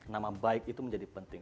nama baik itu menjadi penting